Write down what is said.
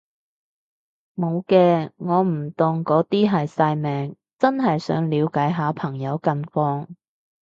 無嘅，我唔當嗰啲係曬命，真係想了解下朋友近況